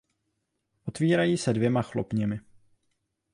Otvírají se dvěma chlopněmi.